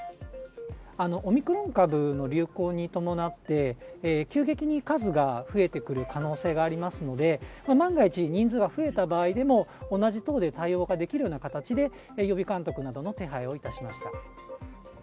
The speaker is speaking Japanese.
オミクロン株の流行に伴って、急激に数が増えてくる可能性がありますので、万が一、人数が増えた場合でも、同じ棟で対応ができるような形で、予備監督などの手配をいたしまし